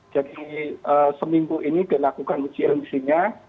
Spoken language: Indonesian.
jadi seminggu ini dilakukan uji emisinya